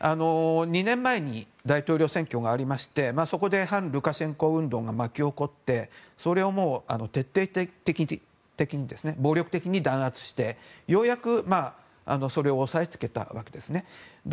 ２年前に大統領選挙がありましてそこで反ルカシェンコ運動が巻き起こってそれを徹底的に暴力的に弾圧してようやくそれを押さえつけたわけですね。